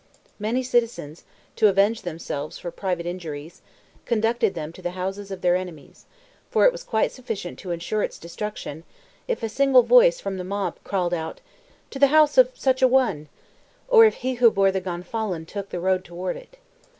Many citizens, to avenge themselves for private injuries, conducted them to the houses of their enemies; for it was quite sufficient to insure its destruction, if a single voice from the mob called out, "To the house of such a one," or if he who bore the Gonfalon took the road toward it.